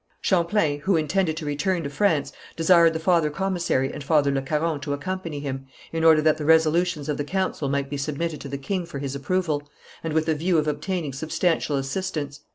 Champlain, who intended to return to France, desired the father commissary and Father Le Caron to accompany him, in order that the resolutions of the council might be submitted to the king for his approval, and with a view of obtaining substantial assistance.